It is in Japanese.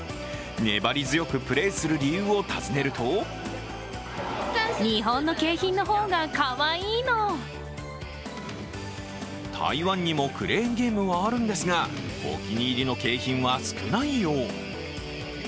粘り強くプレーする理由を尋ねると台湾にもクレーンゲームはあるんですが、お気に入りの景品は少ないよう。